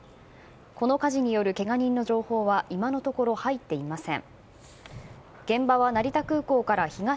この火事による、けが人の情報は今のところ、入っていません。